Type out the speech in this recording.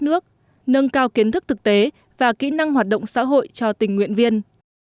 nước nâng cao kiến thức thực tế và kỹ năng hoạt động xã hội cho tình nguyện viên